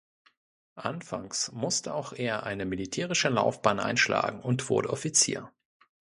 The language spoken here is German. Anfangs musste auch er eine militärische Laufbahn einschlagen und wurde Offizier.